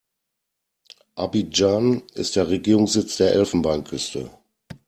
Abidjan ist der Regierungssitz der Elfenbeinküste.